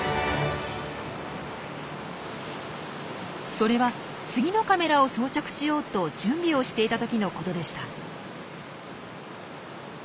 それは次のカメラを装着しようと準備をしていた時のことでした。